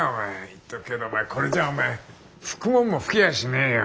言っとくけどお前これじゃあお前拭くもんも拭けやしねえよ。